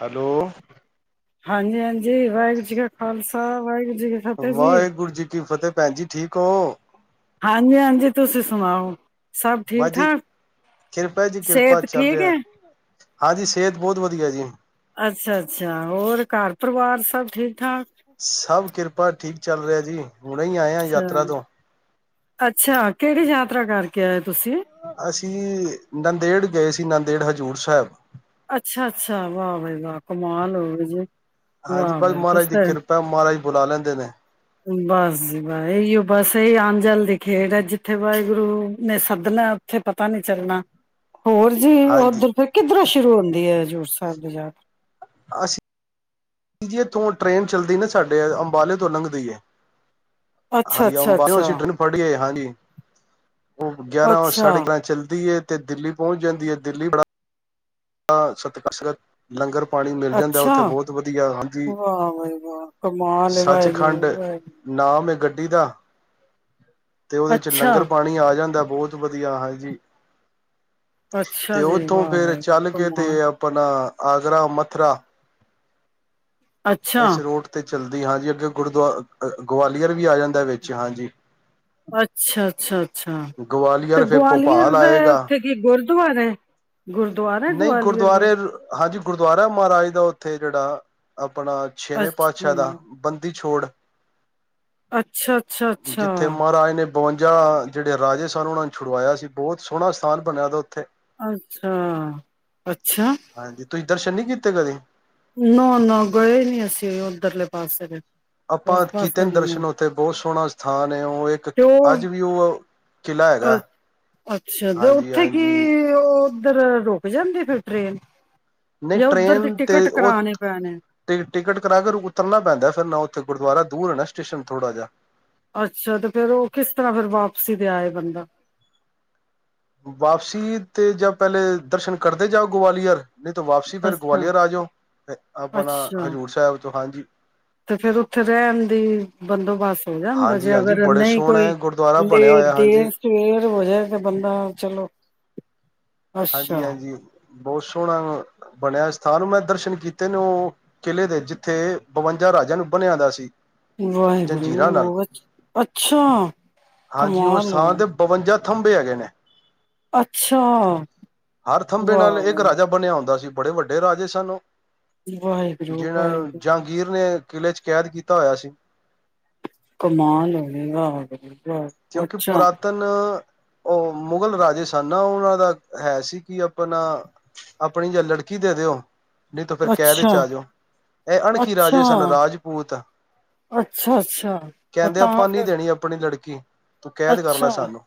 Hello ਹਾਂਜੀ ਹਾਂਜੀ ਵਾਹਿਗੁਰੂ ਜੀ ਕਾ ਖਾਲਸਾ ਵਾਹਿਗੁਰੂ ਜੀ ਕੀ ਫਤਿਹ ਜੀ ਵਾਹਿਗੁਰੂ ਜੀ ਕੀ ਫਤਿਹ ਭੈਣ ਜੀ ਠੀਕ ਹੋ ਹਾਂਜੀ ਹਾਂਜੀ ਤੁਸੀਂ ਸੁਣਾਓ ਸਭ ਠੀਕ ਬਾਜੀ ਠਾਕ ਕਿਰਪਾ ਜੀ ਕਿਰਪਾ ਸਿਹਤ ਚੱਲ ਠੀਕ ਰਿਹਾ ਹੈ ਹਾਂਜੀ ਸਿਹਤ ਬਹੁਤ ਵਧੀਆ ਵਧੀਆ ਜੀ ਅੱਛਾ ਅੱਛਾ ਹੋਰ ਘਰ ਪਰਿਵਾਰ ਸਭ ਠੀਕ ਠਾਕ ਸਭ ਕਿਰਪਾ ਠੀਕ ਚੱਲ ਰਿਹਾ ਜੀ ਹੁਣੇ ਹੀ ਆਏ ਹਾਂ ਯਾਤਰਾ ਤੋਂ ਅੱਛਾ ਅੱਛਾ ਕਿਹੜੀ ਯਾਤਰਾ ਕਰਕੇ ਕਿਆ ਤੁਸੀਂ ਅਸੀਂ ਨੰਦੇੜ ਗਏ ਸੀ ਨੰਦੇੜ ਹਜ਼ੂਰ ਸਾਹਿਬ ਅੱਛਾ ਅੱਛਾ ਵਾਹ ਵਾ ਵਾਹ ਕਮਾਲ ਹੋਵੇ ਜੇ ਹਾਂਜੀ ਆਾਹ ਬਸ ਬ ਤੁਸ ਮਹਾਰਾਜ ਦੀ ਤਾਂ ਕਿਰਪਾ ਮਹਾਰਾਜ ਬੁਲਾ ਲੈਂਦੇ ਨੇ ਬਸ ਜੀ ਬ ਇਹੀਓ ਬਸ ਸਹੀ ਆਮ ਜਲ ਦੀ ਖੇਡ ਹੈ ਜਿੱਥੇ ਵਾਹਿਗੁਰੂ ਨੇ ਸੱਦਣਾ ਉੱਥੇ ਪਤਾ ਨੀ ਚੱਲਣਾ। ਹੋਰ ਜੀ ਹਾਂਜੀ ਉਓਧਰ ਫਿਰ ਕਿੱਧਰ ਹਜ਼ੂਰ ਸਾਹਿਬ ਦੇ ਯ ਅਸੀਂ ਜੀ ਇਥੋਂ ਟ੍ਰਰੇਨ ਚੱਲਦੀ ਨਾ ਸਾਡੇ ਅੰਬਾਲੇ ਤੋਂ ਲੰਘਦੀ ਅੱਛਾ ਅੱਛਾ ਹਾਂਜੀ ਅੱਛਾ ਸੀਟ ਨੂੰ ਫੜੀਏ ਹਾਂਜੀ ਉਹ ਗਿਆਰਾਂ ਅੱਛਾ, ਸਾਡੇ ਗਿਆਰਾਂ ਚੱਲਦੀ ਤੇ ਦਿੱਲੀ ਪਹੁੰਚ ਜਾਂਦੀ ਹੈ ਦਿੱਲੀ ਬੜਾ ਸਤਕਸਰਤ ਲੰਗਰ ਪਾਣੀ ਮਿਲ ਜਾਂਦਾ ਅੱਛਾ ਉੱਥੇ ਬਹੁਤ ਵਧੀਆ ਹਾਂਜੀ ਵਾਹ ਵਾ ਵਾਹ ਕਮ ਲ ਵਾਹਿ ਜ ਵਾ ਕੱੀ ਦਾ ਤੇ ਉਹਦੇ ਚ ਅੱਛਾ, ਲੰਗਰ ਪਾਣੀ ਆ ਜਾਂਦਾ ਬਹੁਤ ਵਧੀਆ ਹੈ ਜੀ ਅੱਛਾ ਜੀ ਵਾਹ ਬਾਈ ਚੱਲ ਕੇ ਤੇ ਆਪਣਾ ਆਗਰਾ ਮਥੁਰਾ ਅੱਛਾ, ਇਸ ਰੋਡ ਤੇ ਚੱਲਦੀ ਹਾਂਜੀ ਅੱਗੇ ਗੁਰਦੁਆ ਗਵਾਲੀਅਰ ਵੀ ਆ ਜਾਂਦਾ ਵਿੱਚ ਹਾਂਜੀ ਅੱਛਾ ਅੱਛਾ ਅੱ ਅੱਛਾ ਤੇ ਗਵਾਲੀਅਰ ਫਿਰ ਗਵਾਲੀਅਰ ਭੋਪਾਲ ਦਾ ਆਏਗਾ ਉੱਥੇ ਕੀ ਗੁਰ ਤੋਂ ਬਾਅਦ ਹੈ ਨਹੀਂ ਗੁਰਦੁਆਰੇ ਹਾਂਜੀ ਗੁਰਦੁਆਰਾ ਮਹਾਰਾਜ ਦਾ ਉੱਥੇ ਜਿਹੜਾ ਆਪਣਾ ਛੇਵੇਂ ਪਾਤਸ਼ਾਹ ਅੱਛਾ, ਦਾ ਬੰਦੀ ਛੋੜ ਅੱਛਾ ਅੱਛਾ ਅੱਛਾ ਜਿੱਥੇ ਮਹਾਰਾਜ ਨੇ ਬਵੰਜਾ ਜਿਹੜੇ ਰਾਜੇ ਸਨ ਉਹਨਾਂ ਨੂੰ ਛੁਵਾਆ ਸੀ ਬਹੁਤ ਸੋਹਣਾ ਸਥਾਨ ਬਣਿਆ ਦਾ ਉੱਥੇ ਅਾਂਛਾ ਅੱ ਹ ਅੱਛਾ ਹਾਂਜੀ ਤੁਸੀਂ ਦਰਸ਼ਨ ਨਹੀਂੀ ਕੀਤੇ ਕਦੇ ਨਾ ਨਾ ਗਏ ਨਹੀਂੀ ਅਸੀਂ ਉੱਧਰਲੇ ਪਾਸੇ ਦੇ ਉਸ ਆਪਾਂ ਕੀਤੇ ਪਾਸੇ ਨੇ ਨੀ ਗਏ ਦਰਸ਼ਨ ਉੱਥੇ ਬਹੁਤ ਸੋਹਣਾ ਸਥਾਨ ਹੈ ਉਹ ਇੱਕ ਤੇ ਉਹ ਅੱਜ ਵੀ ਉਹ ਕਿ੍ਹਾ ਅ ਹੈਗਾ ਅੱਛਾ ਤੇ ਹਾਂਜੀ ਉੱਥੇ ਕੀ ਹਾਂਜੀ ਉਹ ਇੱਧਰ ਰੁਕ ਜਾਂਦੀ ਫਿਰ ਟ੍ਰਰੇਨ ਨਹੀਂ ਟ੍ਰੇਨ ਤੇ ਉਹ ਪੈਣੇ ਟ ਟਿਕਟ ਕਰਾ ਕੇ ਉਤਰਨਾ ਪੈਂਦਾ ਫਿਰ ਨਾ ਉੱਥੇ ਗੁਰਦੁਆਰਾ ਦੂਰ ਹੈ ਨਾ ਸਟੇਸ਼ਨ ਥੋੜਾ ਜਿਹਾ ਅੱਛਾ ਤੇ ਫੇਰ ਉਹ ਕਿਸ ਤਰ੍ਹਾਂ ਫਿਰ ਵਾਪਸੀ ਤੇ ਆਏ ਬੰਦਾ। ਵਾਪਸੀ ਤੇ ਜਾਂ ਪਹਿਲੇ ਦਰਸ਼ਨ ਕਰਦੇ ਜਾਓ ਗਵਾਲੀਅਰ ਨਹੀਂ ਤਾਂ ਵਾਪਸੀ ਫੇਰ ਅੱਛਾ ਗਵਾਲੀਅਰ ਆ ਜਾਓ ਆਪਣਾ ਅੱਛਾ ਹਜ਼ੂਰ ਸਾਹਿਬ ਤੋਂ ਹਾਂਜੀ ਤੇ ਫੇਰ ਉੱਥੇ ਰਹਿਣ ਦੀ ਬੰਦੋਬਸਤ ਹੋ ਜਾਂਦਾ ਹਾਂਜੀ ਜੇ ਹਾਂਜੀ ਅਗਰ ਬੜੇ ਨਹੀਂ ਕੋਈ ਸੋਹਣਾ ਗੁਰਦੁਆਰਾ ਬਣਿਆ ਲੇਟ ਹੋਇਆ ਹਾਂਜੀ ਦੇਰ ਸਵੇਰ ਹੋ ਜਾਏ ਤਾਂ ਬੰਦਾ ਚਲੋ। ਅੱਛਾ ਹਾਂਜੀ- ਹਾਂਜੀ ਬਹੁਤ ਸੋਹਣਾ ਬਣਿਆ ਸਥਾਨ ਮੈਂ ਦਰਸ਼ਨ ਕੀਤੇ ਨੇ ਉਹ ਕਿਲ੍ਹੇ ਦੇ ਜਿੱਥੇ ਬਵੰਜਾ ਰਾਜਿਆਂ ਨੂੰ ਬਣਿਆ ਦਾ ਸੀ। ਜੰਜੀਰਾਂ ਨਾਲ ਵਾਹਿਗੁਰੂ ਅੱਛਾ ਹਾਂਜੀ ਉਹ ਕਮਾਲ ਲਓ। ਸਥਾਨ ਤੇ ਬਵੰਜਾ ਥੰਬੇ ਹੈਗੇ ਨੇ। ਅੱ ਹਰ ਥੰਬੇ ਨਾਲ ਇੱਕ ਵਾਹ ਰਾਜਾ ਬਣਿਆ ਹੁੰਦਾ ਸੀ। ਬੜੇ ਵੱਡੇ ਰਾਜੇ ਸਨ ਉਹ ਵਾਹਿਗੁਰੂ ਜਿਹਨਾਂ ਵਾਹਿਗੁਰੂ ਜਹਾਂਗੀਰ ਨੇ ਕਿਲ੍ਹੇ 'ਚ ਕੈਦ ਕੀਤਾ ਹੋਇਆ ਸੀ। ਕਮਾਲ ਹੋਵੇਗਾ ਅ ਕਿਉਂਕਿ ਪੁਰਾਤਨ ਉਹ ਮੁਗਲ ਰਾਜੇ ਸਨ ਨਾ ਉਹਨਾਂ ਦਾ ਹੈ ਸੀ ਕਿ ਆਪਣਾ ਆਪਣੀ ਜਾਂ ਲੜਕੀ ਦੇ ਦਿਓ। ਨਹੀਂ ਤੂੰ ਫਿਰ ਕਹਿ ਦੇ ਅੱਛਾ 'ਚ ਆ ਜਾਓ ਇਹ ਅਣਖੀ ਅੱਛਾ ਰਾਜੇ ਸਨ ਰਾਜਪੂਤ ਅੱਛਾ ਅੱਛਾ ਉਹ ਕਹਿੰਦੇ ਤਾਂ ਆਪਾਂ ਫਿਰ ਨੀ ਦੇਣੀ ਆਪਣੀ ਲੜਕੀ ਕੈਦ ਕਰ ਲੈ ਅੱਛਾ, ਸਾਨੂੰ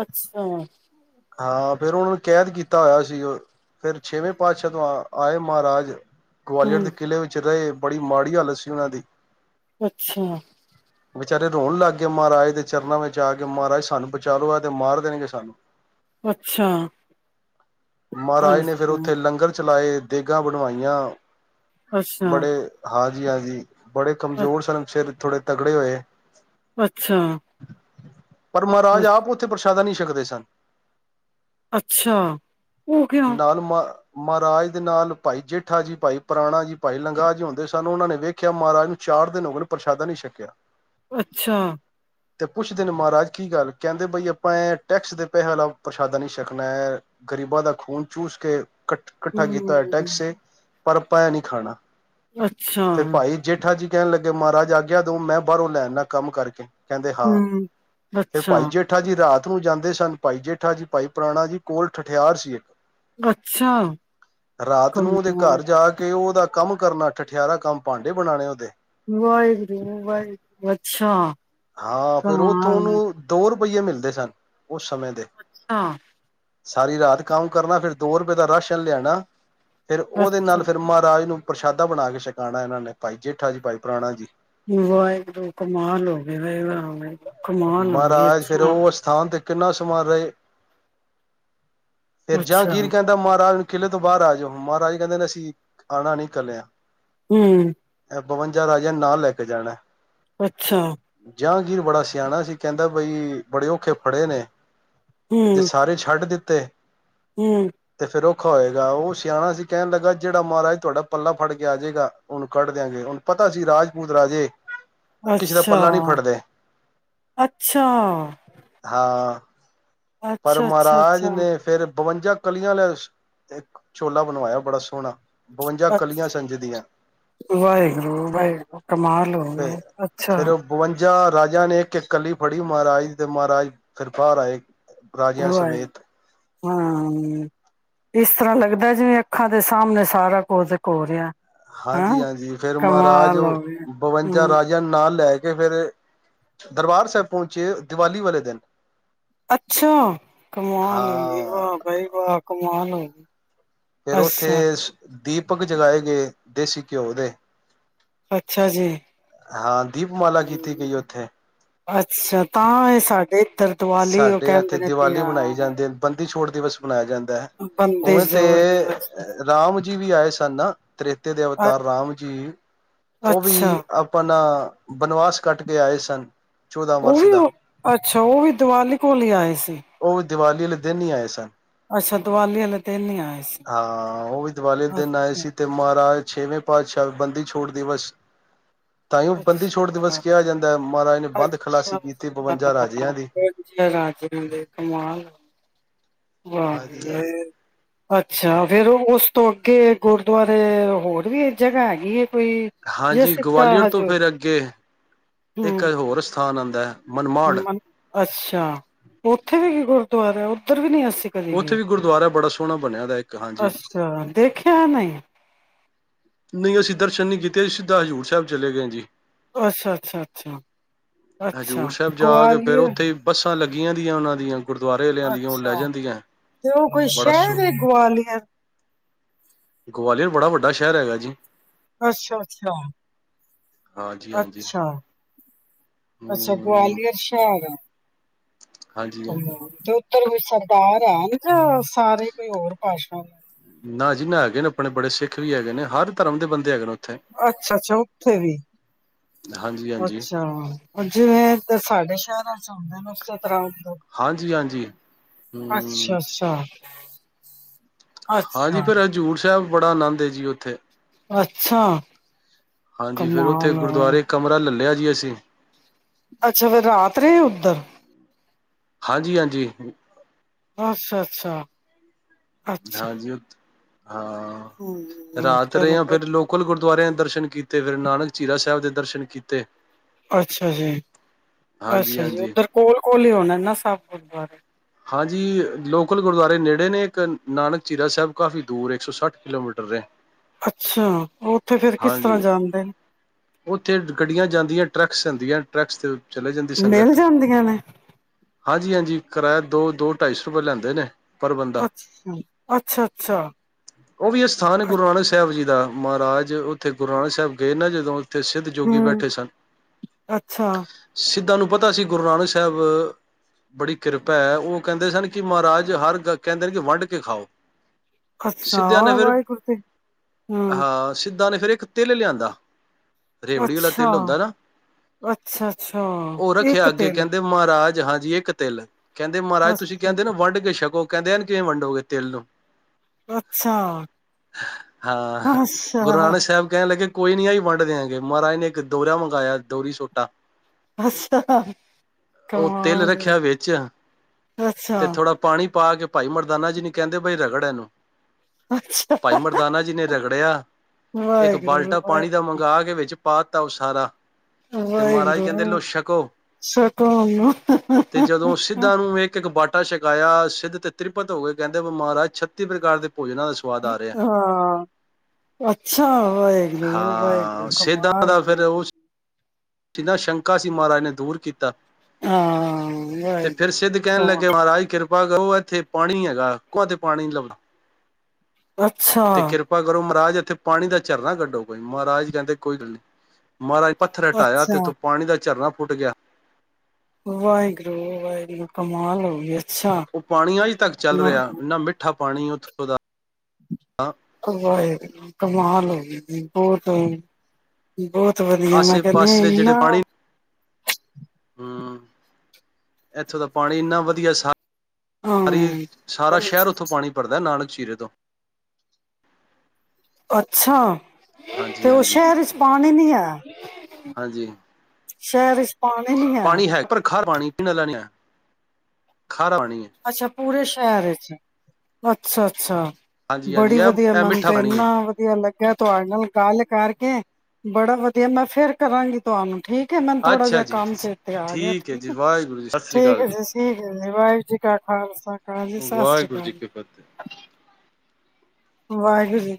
ਅੱਛਾ ਹਾਂ ਫੇਰ ਉਹਨਾਂ ਨੂੰ ਕੈਦ ਕੀਤਾ ਹੋਇਆ ਸੀ, ਉਹ ਫੇਰ ਛੇਵੇਂ ਪਾਤਸ਼ਾਹ ਤੋਂ ਆ ਆਏ ਮਹਾਰਾਜ। ਗਵਾਲੀਅਰ ਹੂੰ, ਦੇ ਕਿਲ੍ਹੇ ਵਿੱਚ ਰਹੇ। ਬੜੀ ਮਾੜੀ ਹਾਲਤ ਸੀ ਉਹਨਾਂ ਦੀ ਅੱਛਾ ਵਿਚਾਰੇ ਰੋਣ ਲੱਗ ਗਏ ਮਹਾਰਾਜ ਦੇ ਚਰਨਾਂ ਵਿੱਚ ਆ ਕੇ ਮਹਾਰਾਜ ਸਾਨੂੰ ਬਚਾਲੋ ਹੈ ਤੇ ਮਾਰ ਦੇਣਗੇ ਸਾਨੂੰ। ਅੱਛਾ, ਮਹਾਰਾਜ ਨੇ ਫੇਰ ਅੱਛਾ, ਉੱਥੇ ਲੰਗਰ 'ਚ ਚਲਾਏ ਦੇਗਾਾਂ ਬਣਵਾਈਆਂ। ਅੱਛਾ, ਬੜੇ ਹਾਂ। ਜੀ ਹਾਂਜੀ ਬੜੇ ਅ ਕਮਜ਼ੋਰ ਸਨ ਫਿਰ ਥੋੜੇ ਤਗੜੇ ਹੋਏ। ਅੱਛਾ ਪਰ ਅ ਮਹਾਰਾਜ ਆਪ ਉੱਥੇ ਪ੍ਰ ਜਾਦਾ ਨਹੀਂ ਛਕਦੇ ਸਨ ਅੱਛਾ ਉਹ ਕਿ ਨਾਲ ਮ ਮਹਾਰਾਜ ਦੇ ਨਾਲ ਭਾਈ ਜੇਠਾ ਜੀ ਭਾਈ ਪੁਰਾਣਾ ਜੀ ਭਾਈ ਲੰਗਾ ਜੀ ਹਉਂਦੇ ਸਨ ਉਹਨਾਂ ਨੇ ਵੇਖਿਆ ਮਹਾਰਾਜ ਨੂੰ ਚਾਰ ਦਿਨ ਹੋ ਗ ਪ੍ਰਸ਼ਾਦਾ ਨਹੀਂ ਛਕਿਆ ਅੱਛਾ- ਤੇ ਪੁੱਛਦੇ ਨੇ ਮਹਾਰਾਜ ਕੀ ਗੱਲ ਕਹਿੰਦੇ ਬਈ ਆਪਾਂ ਇਹ ਟੈਕਸ ਦੇ ਪੈਸੇਾ ਪਛਾਦਾ ਨੀ ਸਕਣਾ ਹੈ ਗ਼ਰੀਬਾਂ ਦਾ ਖੂਨ ਚੂਸ ਕੇ- ਕੱਠ‌ ਕੱਠਾ ਕੀਤਾ ਹੋਇਆ ਹੂੰ, ਟੈਕੇ- ਪਰ ਅਪਾ ਐ ਨਹੀਂ ਖਾਣਾ- ਫਿਰ ਭਾਈ ਜੇਠਾ ਜੀ ਅੱਛਾ- ਕਹਿਣ ਲੱਗੇ ਮਹਾਰਾਜ ਆਗਿਆ ਦੋ ਮੈਂ ਬਾਹਰੋਂ ਲੈ ਆਦਾ ਕੰਮ ਕਰਕੇ- ਕਹਿੰਦੇ ਹਾਂ ਹੂੰ, ਫਿਰ ਅੱਛਾ, ਭਾਈ ਜੇਠਾ ਜੀ ਰਾਤ- ਨੂੰ ਜਾਂਦੇ ਸਨ ਭਾਈ ਜੇਠਾ ਜੀ ਭਾਈ ਪੁਰਾਣਾ ਜੀ ਕੋਲ ਠਠਿਆਰ ਸੀ ਏ- ਅੱਛਾ, ਰਾਤ ਕਮ ਨੂੰ ਉਦੇ ਘਰ ਜਾ ਕੇ ਉਹਦਾ- ਕੰਮ ਕਰਨਾ ਠਠਿਆਰਾਂ ਕੰਮ ਭਾਂਡੇ ਬਣਾਉਣੇ ਉਹਦੇ- ਵਾਹਿਗੁਰੂ ਵਾਹਿਗੁਰੂ ਅੱਛਾ- ਹਾਂ ਫੇਰ ਉੱਥੋਂ ਕਮਾਲ ਉਹਨੂੰ ਦੋ- ਰੁਪੀਏ ਮਿਲਦੇ ਸਨ- ਉਸ ਸਮੇਂ ਦੇ ਅੱਛਾ- ਸਾਰੀ ਰਾਤ ਕੰਮ ਕਰਨਾ ਫਿਰ ਦੋ ਰੁਪਏ ਦਾ ਰਾਸ਼ਨ ਲਿਆਣਾ- ਫੇਰ ਉਹਦੇ ਅੱਛਾ, ਨਾਲ ਫੇਰ ਮਹਾਰਾਜ ਨੂੰ- ਪ੍ਰਸ਼ਾਦਾ ਬਣਾ ਕੇ ਛਕਾਉਣਾ ਇਹਨਾਂ ਨੇ ਭਾਈ ਜੇਠਾ ਜੀ ਭਾਈ ਪੁਰਾਣਾ ਜੀ- ਵਾਹਿਗੁਰੂ ਕਮਾਲ ਐ [unintelligible] ਮਹਾਰਾਜ ਫਿਰ ਉਹ ਅਸਥਾਨ ਤੇ ਕਿੰਨਾ ਸਮਾਂ ਰਹੇ- ਫਿਰ ਅੱਛਾ, ਜਾਗੀਰ ਕਹਿੰਦਾ ਮਹਾਰਾਜ - ਕਿਲ੍ਹੇ ਤੋਂ ਬਾਹਰ ਆ ਜਾਓ ਮਹਾਰਾਜ ਕਹਿੰਦੇ ਨੇ ਅਸੀਂ ਆਉਣਾ ਨੀ ਕੱਲਿਆ- ਹਮ- ਬਵੰਜਾ ਰਾਜਿਆਂ ਨੂੰ ਨਾਲ ਲੈ ਕੇ ਜਾਣਾ- ਅੱਛਾ- ਜਹਾਂਗੀਰ ਬੜਾ ਸਿਆ- ਕਹਿੰਦੇ ਬੜੇ ਔਖੇ ਫੜ੍ਹੇ ਨੇ ਜੇ ਸਾਰੇ ਛੱਡ ਦਿ- ਤੇ- ਹਮ- ਫੇਰ ਔਖਾ ਹੋਏਗਾ ਉਹ ਸਿਆਣਾ ਸੀ ਕਹਿਣ ਲੱਗਾ ਜਿਹੜਾ ਮਹਾਰਾਜ ਤੁਹਾਡਾ ਪੱਲਾ ਫੜ ਕੇ ਆ ਜਾਏਗਾ ਉਹਨੂੰ ਕੱਢ ਦਿਆਂਗੇ ਉਹਨੂੰ ਪਤਾ ਸੀ ਰਾਜਪੂਤ ਰਾਜੇ- ਕਿਸੇ ਦਾ ਪੱਲਾ ਨਹੀਂ ਅੱਛਾ- ਫੜਦੇ ਅੱ ਅੱਛਾ- ਹਾਂ ਪਰ ਅੱਛਾ, ਅੱਛਾ, ਮਹਾਰਾਜ ਅੱਛਾ। ਨੇ ਫੇਰ- ਬਵੰਜਾ ਕਲੀਆਂ ਆਲ਼ਾ ਇੱਕ ਛੋਲਾ ਬਣਵਾਇਆ ਬੜਾ ਸੋਹਣਾ- ਬਵੰਜਾ ਕਲੀਆਂ ਸੰਜ ਦੀਆਂ ਵਾਹਿਗੁਰੂ ਵਾਹਿਗੁਰੂ ਕਮਾਲ ਹੋਵੇ ਅੱਾ ਸਿਰਫ ਬ ਵਧ ਰਾਜ ਰਾਜਾ ਨੇ ਇੱਕ ਇਕੱਲੀ ਫੜੀ ਮਹਾਰਾਜ ਤੇ ਮਹਾਰਾਜ ਫਿਰ ਬਾਹਰ ਆਏ ਰਾਜਿਆਂ ਉਹ ਹੈ ਸਮੇਤ ਹਾਂ ਇਸ ਤਰ੍ਹਾਂ ਲੱਗਦਾ ਦਾ ਜਿਵੇਂ ਅੱਖਾਂ ਦੇ ਸਾਹਮਣੇ ਸਾਰਾ ਕੋ ਤੇ ਘ ਰਿਹਾ ਹੈਂ, ਹਾਂਜੀ ਹਾਂਜੀ ਫੇਰ ਮਹਾਰਾਜ ਕਮਾਲ ਹੋ ਗਈ। ਬਵੰਜਾ ਹੂੰ, ਰਾਜਿਆਂ ਨਾਲ ਲੈ ਕੇ ਫੇਿਰ ਦਰਬਾਰ ਸਾਹਿਬ ਪਹੁੰਚੇ ਦੀਵਾਲੀ ਵਾਲੇ ਦਿਨ ਅੱਛਾ ਕਮਾਲ ਹੋ ਗਈ ਹਾਂ ਵਾਹ ਬਾਈ ਵਾਹ ਕਮਾਲ ਹੋ ਗਈ ਫੇਿਰ ਉੱਥੇ ਅੱਛਾ, ਦੀਪਕ ਜਗਾਏ ਗਏ ਦੇਸੀ ਘਿਓ ਦੇ ਅੱਛਾ ਜੀ ਹਾਂ ਦੀਪਮਾਲਾ ਕੀਤੀ ਗਈ ਉੱਥੇ ਅੱਛਾ ਤਾਂ ਇਹ ਸਾਡੇ ਇੱਧਰ ਦੀਵਾਲੀ ਉਹ ਸਾਡੇ ਕਹਿੰਦੇ ਇੱਥੇ ਨੇ ਤੇ ਦੀਵਾਲੀ ਮਨਾਈ ਹਾਂ। ਜਾਂਦੀ ਬੰਦੀ ਛੋੜ ਦਿਵਸ ਮਨਾਇਆ ਜਾਂਦਾ ਹੈ ਉਵੇਂ ਬੰਦਿਸ਼ ਤੇ ਜੋੜ ਦਿਵਸ ਰਾਮ ਜੀ ਵੀ ਆਏ ਸਨ ਨਾ ਤ੍ਰੇਤੇ ਦੇ ਅਵਤਾਰ ਰਾਮ ਜੀ ਉਹ ਵੀ ਅੱਛਾ। ਆਪਣਾ ਬਨਵਾਸ ਕੱਟ ਕੇ ਆਏ ਸਨ ਚੌਦਾਂ ਉਹ ਵਰਸ ਵੀ ਦਾ ਅੱਛਾ ਉਹ ਵੀ ਵਾਲੀ ਕੋਲ ਹੀ ਆਏ ਸੀ ਉਹ ਵੀ ਦੀਵਾਲੀ ਵਾਲੇ ਦਿਨ ਹੀ ਆਏ ਸਨ ਅੱਛਾ ਦੀਵਾਲੀ ਵਾਲੇ ਦਿਨ ਨੀ ਆਏ ਸੀ ਹਾਂ ਉਹ ਵੀ ਦੀਵਾਲੀ ਦਿਨ ਆਏ ਅੱਛਾ ਸੀ ਤੇ ਮਹਾਰਾਜ ਛੇਵੇਂ ਪਾਦ ਸ਼ ਬੰਦੀ ਛੋੜ ਦਿਵਸ ਤਾਂ ਬੰਦੀ ਛੋੜ ਦਿਵਸ ਅੱਛਾ ਕਿਹਾ ਜਾਂਦਾ ਹੈ ਮਹਾਰਾਜ ਨੇ ਬੰਦ ਖੁਲਾਸੀ ਕੀਤੀ ਬਵੰਜਾ ਰਾਜਿਆਂ ਦੀ ਰਾਜੇ ਦੇ ਕਮਾਲ ਵਾਹ ਹਾਂ ਕੀ ਗੱਲ ਹੈ ਵਾਹ [unintelligible] ਅੱਛਾ ਫੇਰ ਉਸ ਤੋਂ ਅੱਗੇ ਗੁਰਦੁਆਰੇ ਹੋਰ ਵੀ ਜਗ੍ਹਾ ਹੈਗੀ ਹੈ ਕੋਈ ਜੇ ਹਾਂਜੀ ਸਿੱਧਾ ਗਵਾਲੀਅਰ ਤੋਂ ਹਜੂਰ ਫਿਰ ਅੱਗੇ ਇੱਕ ਹੋਰ ਸਥਾਨ ਆਉਂਦਾ ਹੈ ਮਨਮਾੜ। ਅੱਛਾ ਉੱਥੇ ਵੀ ਕੀ ਰਿਹਾ ਉੱਧਰ ਵੀ ਨਹੀਂੀ ਅਸੀ ਕਦੇ ਉੱਥੇ ਗਏ ਵੀ ਗੁਰਦੁਆਰਾ ਬੜਾ ਸੋਹਣਾ ਬਣਿਆ ਦਾ ਇੱਕ ਹਾਂਜੀ। ਅੱਛਾ ਦੇਖਿਆ ਨਹੀਂ ਨਹੀਂ ਅਸੀਂ ਦਰਸ਼ਨ ਨੀ ਕੀਤੇ ਸਿੱਧਾ ਹਜ਼ੂਰ ਸਾਹਿਬ ਚਲੇ ਗਏ ਜੀ। ਅੱਛਾ -ਅੱਛਾ -ਅੱਛਾ -ਅੱਛਾ ਗਵਾਲੀਅਰ ਗੀਆਂ ਦੀਆਂ ਉਹਨਾਂ ਦੀਆਂ ਗੁਰਦੁਆਰੇ ਵਾਲਿਆਂ ਦੀਆਂ ਉਹ ਅੱਛਾ, ਲੈ ਜਾਂਦੀਆਂ। ਤੇ ਉਹ ਕੋਈ ਬੜਾ ਸੋ ਸ਼ਹਿਰ ਗਵਾਲੀਅਰ ਗਵਾਲੀਅਰ ਬੜਾ ਵੱਡਾ ਸ਼ਹਿਰ ਹੈਗਾ ਜੀ। ਅੱਛਾ -ਅੱਛਾ, ਹਾਂਜੀ ਹਾਂਜੀ ਅੱਛਾ, ਅੱਛਾ ਹੂੰ। ਗਵਾਲੀਅਰ ਸ਼ਹਿਰ ਏ। ਹਾਂਜੀ ਹਾਂਜੀ। [unintelligible] ਉਧਰ ਕੋਈ ਸਰਦਾਰ ਹੇਨ ਕਿ ਸਾਰੇ ਕੋਈ ਹੋਰ ਭਾਸ਼ਾ ਨਾ ਜੀ ਨਾ ਹੈਗੇ ਨੇ, ਆਪਣੇ ਬੜੇ ਸਿੱਖ ਵੀ ਹੈਗੇ ਨੇ ਹਰ ਧਰਮ ਦੇ ਬੰਦੇ ਹੈਗੇ ਨੇ ਉੱਥੇ। ਅੱਛਾ -ਅੱਛਾ ਉੱਥੇ ਵੀ ਹਾਂਜੀ ਹਾਂਜੀ ਅੱਛਾ ਜਿਵੇਂ ਸਾਡੇ ਸ਼ਹਿਰਾਂ [unintelligible] [unintelligible] ਹਾਂਜੀ ਹਾਂਜੀ ਅੱਛਾ ਹਮ ਅੱਛਾ ਹਾਂਜੀ ਫਿਰ ਹਜ਼ੂੂਰ ਸਾਹਿਬ। ਬੜਾ ਆਨੰਦ ਏ ਜੀ ਉੱਥੇ ਅੱਛਾ ਹਾਂਜੀ, ਫੇਿਰ ਉੱਥੇ ਕਮਾਲ ਹੋ। ਗੁਰਦੁਆਰੇ ਕਮਰਾ ਲੈ ਲਿਆ ਜੀ ਅਸੀ ਅੱਛਾ, ਫੇਰ ਰਾਤ ਰਹੇ ਉੱਧਰ ਹਾਂਜੀ- ਹਾਂਜੀ ਅੱਛਾ -ਅੱਛਾ ਹਾਜੀ ਉਥੇ ਹਾਂ ਹੂੰ, ਰਾਤ ਰਹੇ, ਚਲੋ ਹ ਫਿਰ ਵਧੀਆ, ਲੋਕਲ ਗੁਰਦੁਆਰਿਆਂ ਦਰਸ਼ਨ ਕੀਤੇ, ਫਿਰ ਨਾਨਕ ਚੀਰਾ ਸਾਹਿਬ ਦੇ ਦਰਸ਼ਨ ਕੀਤੇ। ਅੱਛਾ ਜੀ ਹਾਂਜੀ ਅੱਛਾ ਜੀ ਹਾਂਜੀ ਉੱਧਰ ਕੋਲ ਕੋਲ ਹੀ ਹੋਣਾ ਨਾ ਸਭ ਬਾਰ [unintelligible] ਹਾਂਜੀ ਲੋਕਲ ਗੁਰਦੁਆਰੇ ਨੇੜੇ ਨੇ, ਇੱਕ ਨਾਨਕ ਚੀਰਾ ਸਾਹਿਬ ਕਾਫ਼ੀ ਦੂਰ ਇੱਕ ਸੌ ਸੱਠ ਕਿਲੋਮੀਟਰ ਨੇ ਅੱਛਾ ਉਹ ਉੱਥੇ ਫੇਰ ਕਿਸ ਤਰ੍ਹਾਂ ਹਾਂਜੀ ਜਾਂਣਦੇ ਨੇ ਉੱਥੇ ਗੱਡੀਆਂ [unintelligible] ਚਲੇ ਜਾਂਦੀਂ, ਮਿਲ ਸੰਗਤ ਜਾਂਦੀਆਂ ਨੇ? ਹਾਂਜੀ- ਹਾਂਜੀ ਕਰਾਇਆ ਦੋ ਦੋ ਢਾਈ ਸੌ ਰੁਪਏ ਲੈਂਦੇ ਨੇ। ਪਰ ਬੰਦਾ, ਅੱਛਾ, ਅੱਛਾ-ਅੱਛਾ ਉਹ ਵੀ ਅਸਥਾਨ ਅ ਗੁਰੂ ਨਾਨਕ ਸਾਹਿਬ ਜੀ ਦਾ। ਮਹਾਰਾਜ, ਉੱਥੇ ਗੁਰੂ ਨਾਨਕ ਸਾਹਿਬ ਗਏ ਨਾ ਜਦੋਂ ਸਿੱਧ ਜੋਗੀ ਹੂੰ ਬੈਠੇ ਸਨ, ਅੱਛਾ। ਸਿੱਧਾ ਨੂੰ ਪਤਾ ਸੀ, ਗੁਰੂ ਨਾਨਕ ਸਾਹਿਬ ਬੜੀ ਕਿਰਪਾ ਭੈ ਉਹ ਕਹਿੰਦੇ ਸਨ ਕਿ ਮਹਾਰਾਜ ਹਰ ਕਹਿੰਦੇ ਨੇ ਕਿ ਵੰਡ ਕੇ ਖਾਓ। ਅੱਛਾ ਸਿੱਧਿਆਂ ਨੇ ਫਿਰ ਵਾਹਿਗੁਰ ਤੇ ਹੂੰ, ਦਾ ਨੇ ਫੇਰ ਇੱਕ ਤਿਲ ਲਿਆਂਦਾ। ਰੇਵੜੀ ਵਾਲਾ ਤਿਲ ਹੁੰਦਾ ਨਾ ਉਹ ਅੱਛਾ-ਅੱਛਾ-ਅੱਛਾ-ਇੱਕ ਰੱਖਿਆ ਅੱਗੇ ਦਿਨ, ਕਹਿੰਦੇ ਮਹਾਰਾਜ ਹਾਂਜੀ ਇੱਕ ਤਿਲ ਕਹਿੰਦੇ ਮਹਾਰਾਜ ਤੁਸੀਂ ਕਹਿੰਦੇ ਨਾ ਵੰਡ ਕੇ ਛਕੋ। ਕਹਿੰਦੇ ਹਨ ਕਿਵੇਂ ਵੰਡੋਗੇ ਤਿਲ ਨੂੰ ਅੱਛਾ। ਹਾਂ ਗੁਰੂ ਅੱਛਾ, ਨਾਨਕ ਸਾਹਿਬ ਕਹਿਣ ਲੱਗੇ। ਕੋਈ ਨੀ ਆਈ ਵੰਡ ਦਿਆਂਗੇ ਮਹਾਰਾਜ ਨੇ ਇੱਕ ਦੋਹਰਾ ਮੰਗਇਆ ਦੋਹਰੀ ਸੋਟਾ। ਅੱਛਾ ਉਹ ਤਿਲ ਕਮਾਲ ਏ। ਰੱਖਿਆ ਵਿੱਚ ਅੱਛਾ, ਤੇ ਥੋੜਾ ਪਾਣੀ ਪਾ ਕੇ ਭਾਈ ਮਰਦਾਨਾ ਜੀ ਨੀ ਕਹਿੰਦੇ ਬਾਈ ਰਗੜ ਇਹਨੂੰ। ਅੱਛਾ ਭਾਈ ਮਰਦਾਨਾ ਜੀ ਨੇ ਰਗੜਿਆ ਇੱਕ ਵਾਹਿਗੁਰੂ, ਬਾਲਟਾ ਪਾਣੀ ਦਾ ਵਾਹਿਗੁਰੂ, ਮੰਗਵਾ ਕੇ ਵਿੱਚ ਪਾਤਾ ਔ ਸਾਰਾ। ਤੇ ਮਹਾਰਾਜ ਕਹਿੰਦੇ ਵਾਹਿਗੁਰੂ ਲੋ ਛਕੋ ਸਤਨਾ ਦਾਂ ਨੂੰ ਇੱਕ-ਇੱਕ ਬਾ ਛਕਾਇਆ ਸਿੱਧ ਤੇ ਤ੍ਰਿਪਤ ਹੋ ਗਏ ਕਹਿੰਦੇ ਮਹਾਰਾਜ ਛੱਤੀ ਪ੍ਰਕਾਰ ਦੇ ਭੋਜਨਾਂ ਦਾ ਸਵਾਦ ਆ ਰਿਹਾ ਹਾਂ, ਅੱਛਾ ਵਾਹਿਗੁਰੂ, ਹਾਂ ਵਾਹਿਗੁਰੂ ਕਮਾਲ ਈ ਐ। ਜਿੰਦਾ ਸ਼ੰਕਾ ਸੀ ਮਹਾਰਾਜ ਨੇ ਦੂਰ ਕੀਤਾ। ਹਾਂ। ਤੇ ਫਿਰ ਵਾਹਿਗੁਰੂ ਸਿੱਧ ਕਹਿਣ ਲੱਗੇ ਕਮਾਲ ਮਹਾਰਾਜ ਕਿਰ ਪਾ ਕਰੋ, ਇਥੇ ਪਾਣੀ ਹੈਗਾ ਕੁਹਾ ਤੇ ਪਾਣੀ ਨੀ ਲੱਭਣਾ। ਤੇ ਅੱਛਾ ਕਿਰਪਾ ਕਰੋ ਮਹਾਰਾਜ ਇਥੇ ਪਾਣੀ ਦਾ ਝਰਨਾ ਕੱਢੋ ਕੋਈ ਮਹਾਰਾਜ ਕਹਿੰਦੇ ਕੋਈ ਗੱਲ ਨੀ, ਮਹਾਰਾਜ ਪੱਥਰ ਹਟਾਇਆ ਤੇ ਅੱਛਾ ਉੱਥੋਂ ਪਾਣੀ ਦਾ ਝਰਨਾ ਟੁੱਟ ਗਿਆ। ਵਾਹਿਗੁਰੂ, ਵਾਹਿਗੁਰੂ ਕਮਾਲ ਹੋ ਗਈ ਏ। ਉਹ ਪਾਣੀ ਅੱਜ ਤੱਕ ਚੱਲ ਰਿਹਾ ਇੰਨਾ ਮਿੱਠਾ ਪਾਣੀ ਉੱਥ ਦਾ ਹ ਵਾਹਿਗੁਰੂ ਕਮਾਲ ਹੋ ਗਈ, ਕਮਾਲ ਹੋ ਗਈ ਬਹੁਤ ਵੀ, ਬਹੁਤ ਵਧੀਆ ਮੈਂ ਆਸੇ ਕਹਿੰਦੀ ਆ ਪਾਸੇ ਦੇ ਜਿਹੜੇ ਇਨਾ ਹੂੰ, ਇੱਥੋਂ ਤਾਂ ਪਾਣੀ ਇੰਨਾ ਵਧੀਆ ਸ ਸਾਰੀ ਸਾਰਾ ਹਾਂ ਸ਼ਹਿਰ ਉੱਥੋਂ ਪਾਣੀ ਭਰਦਾ ਨਾਨ ਚੀਰੇ ਤੋਂ। ਅੱਛਾ ਤੇ ਹਾਂਜੀ ਉਹ ਹਾਂਜੀ ਸ਼ਹਿਰ ਚ ਪਾਣੀ ਨੀ ਹੈ। ਹਾਂਜੀ ਸ਼ਹਿਰ ਇਚ ਪਾਣੀ ਹੈ ਪਰ ਖਰ ਪਾਣੀ ਪੀਣ ਆਲਾ ਨਹੀਂ ਹੈ। ਠਾਰਵਾਣੀ ਹੈ ਅੱਛਾ ਪੂਰੇ ਸ਼ਹਿਰ ਚ ਅੱਛਾ ਅੱਛਾ ਹਾਂਜੀ ਹਾਂਜੀ ਬੜੀ ਇਹ ਵਧੀਆ ਇਹ ਮੰਨ ਮਿੱਠਾ ਤਾਂ ਪਾਣੀ ਹੈ ਇੰਨਾ ਵਧੀਆ ਲੱਗ ਤੁਹਾਡੇ ਨਾਲ ਗੱਲ ਕਰਕੇ ਬੜਾ ਵਧੀਆ ਮੈਂ ਫੇਰ ਕਰਾਂਗੀ ਤੁਹਾਨੂੰ ਠੀਕ ਮੈਨੂੰ ਥੋੜਾ ਅੱਛਾ ਜਿਹਾ ਜੀ ਕੰਮ ਚੇਤੇ ਆ ਗਿਆ ਹੈ ਠੀਕ ਜੀ ਵਾਹਿਗੁਰੂ ਜੀ ਸਤਿ ਸ੍ਰੀ ਠੀਕ ਅਕਾਲ ਹੈ ਜੀ ਠੀਕ ਜ ਇਹ [unintelligible] ਕਾ ਖਾਲਸਾ ਵਾਹਿਗੁਰੂ ਜੀ ਕੀ ਫਤਿਹ ਵਾਹਿਗੁਰੂ ਜੀ